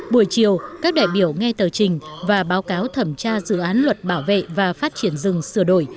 buổi chiều các đại biểu nghe tờ trình và báo cáo thẩm tra dự án luật bảo vệ và phát triển rừng sửa đổi